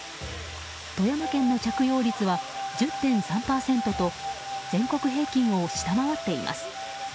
富山県の着用率は１０．３％と全国平均を下回っています。